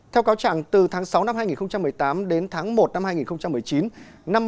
theo cáo trạng từ tháng sáu năm hai nghìn một mươi tám đến tháng một năm hai nghìn một mươi chín